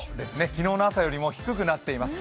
昨日の朝よりも低くなっています。